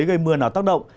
gây mưa rào rải rác